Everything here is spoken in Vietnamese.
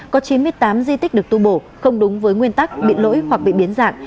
có chín mươi tám di tích được tu bổ không đúng với nguyên tắc bị lỗi hoặc bị biến dạng